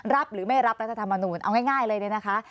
รับหรือไม่รับรัฐธรรมนูลเอาง่ายเลยเนี่ยนะคะ